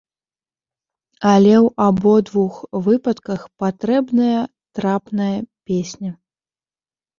Але ў абодвух выпадках патрэбная трапная песня.